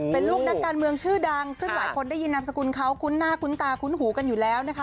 เป็นลูกนักการเมืองชื่อดังซึ่งหลายคนได้ยินนามสกุลเขาคุ้นหน้าคุ้นตาคุ้นหูกันอยู่แล้วนะคะ